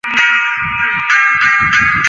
也是喀土穆总教区总主教。